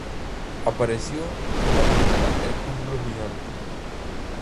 Apareció en la película El club de los villanos.